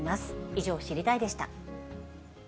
以上、知りたいッ！でした。